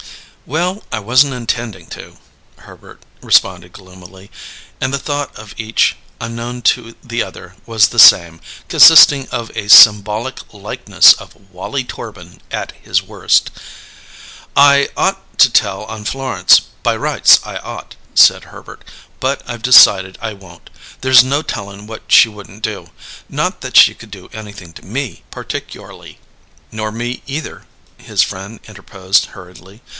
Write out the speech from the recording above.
"Well, I wasn't intending to," Herbert responded gloomily; and the thought of each, unknown to the other, was the same, consisting of a symbolic likeness of Wallie Torbin at his worst. "I ought to tell on Florence; by rights I ought," said Herbert; "but I've decided I won't. There's no tellin' what she wouldn't do. Not that she could do anything to me, particyourly " "Nor me, either," his friend interposed hurriedly.